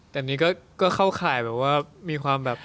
แต่นี่ก็เข้าข่ายแบบว่ามีความแบบ